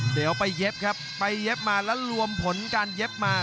เดี๋ยวไปเย็บครับไปเย็บมาแล้วรวมผลการเย็บมา